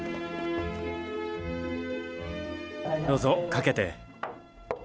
どうぞかけて。